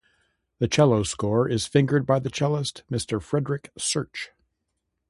The cello score is fingered by the cellist, Mr. Frederick Search.